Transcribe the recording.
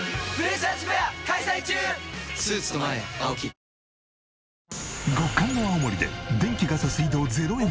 ＮＯ．１極寒の青森で電気ガス水道０円